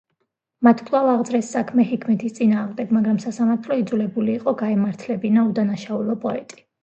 მათ კვლავ აღძრეს საქმე ჰიქმეთის წინააღმდეგ, მაგრამ სასამართლო იძულებული იყო გაემართლებინა უდანაშაულო პოეტი.